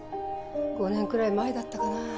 ５年くらい前だったかな。